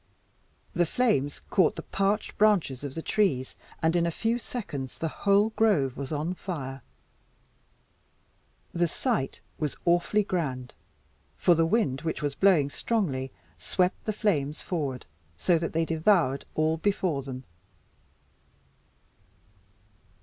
The flames caught the parched branches of the trees, and in a few seconds the whole grove was on fire. The sight was awfully grand, for the wind, which was blowing strongly, swept the flames forward, so that they devoured all before them.